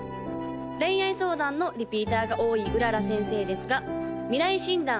恋愛相談のリピーターが多い麗先生ですが未来診断